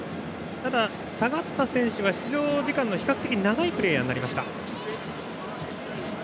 ただ、下がった選手は出場時間が比較的長いプレーヤーになりました。